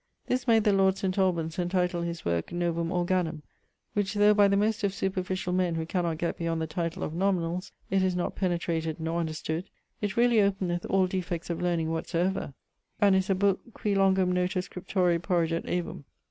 This made the lord St. Albans entitle his worke Novum Organum, which though by the most of superficiall men who cannot gett beyond the title of nominalls, it is not penetrated nor understood, it really openeth all defects of learning whatsoever, and is a booke Qui longum noto scriptori porriget aevum.